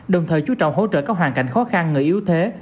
đồng thời chú trọng hỗ trợ các hoàn cảnh khó khăn người yếu thế